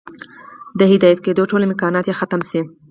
د هدايت كېدو ټول امكانات ئې ختم شي